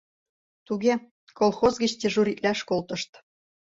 Туге, колхоз гыч дежуритлаш колтышт...